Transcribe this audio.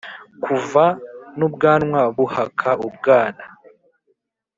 kuva n ' ubwanwa buhaka ubwana